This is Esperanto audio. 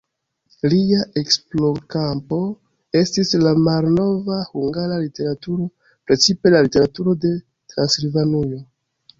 Lia esplorkampo estis la malnova hungara literaturo, precipe la literaturo de Transilvanujo.